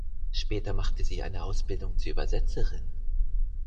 Später machte sie eine Ausbildung zur Übersetzerin.